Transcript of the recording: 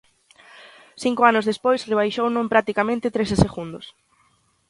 Cinco anos despois rebaixouno en practicamente trece segundos.